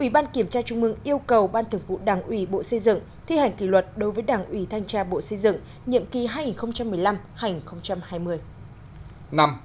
ủy ban kiểm tra trung ương yêu cầu ban thường vụ đảng ủy bộ xây dựng thi hành kỷ luật đối với đảng ủy thanh tra bộ xây dựng nhiệm kỳ hai nghìn một mươi năm hai nghìn hai mươi